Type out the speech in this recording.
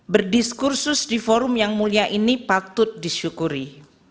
berdiskursus di forum yang mulia ini patut disyukuri